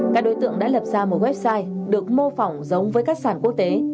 các đối tượng đã lập ra một website được mô phỏng giống với các sản quốc tế